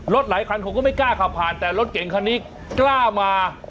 หลายคันผมก็ไม่กล้าขับผ่านแต่รถเก่งคันนี้กล้ามา